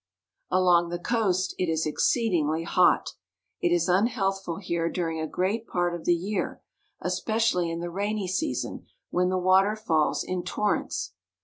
Along the coast it is exceedingly hot. It is unhealthful here during a great part of the year, especially in the rainy season, when the water falls in torrents.